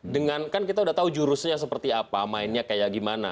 dengan kan kita udah tahu jurusnya seperti apa mainnya kayak gimana